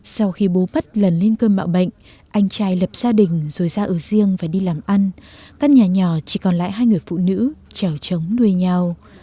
sau khi bố mất lần lên cơm bạo bệnh anh trai lập gia đình rồi ra ở riêng và đi làm ăn các nhà nhỏ chỉ còn lại hai người phụ nữ chào chống nuôi nhau